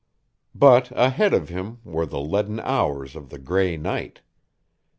But ahead of him were the leaden hours of the gray night!